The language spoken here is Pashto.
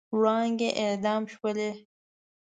وړانګې اعدام شولې